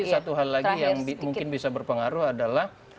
satu hal lagi yang mungkin bisa berpengaruh adalah